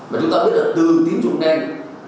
và chúng ta biết là từ tín dụng đen